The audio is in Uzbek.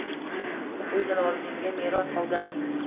U Jaloliddinga meros qolgan.